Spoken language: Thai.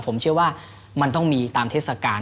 ผมเชื่อว่ามันต้องมีตามเทศกาล